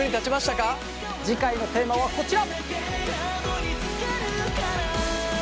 次回のテーマはこちら！